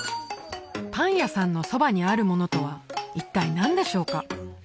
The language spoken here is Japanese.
パン屋さんのそばにあるものとは一体何でしょうか？